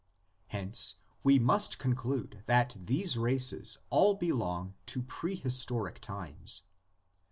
Hence we must conclude that these races all belong to prehistoric times.